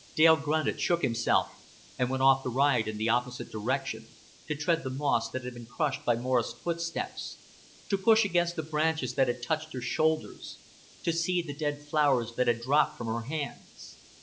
Dale grunted, shook himself, and went off the ride in the opposite direction to tread the moss that had been crushed by Norah's footsteps, to push against the branches that had touched her shoulders, to see the dead flowers that had dropped from her hands.